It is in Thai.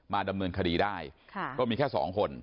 ดำเนินคดีได้ก็มีแค่สองคน